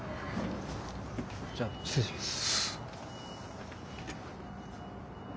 じゃ失礼します。